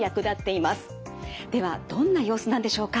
ではどんな様子なんでしょうか？